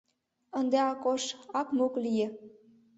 — ынде Акош ак-мук лие.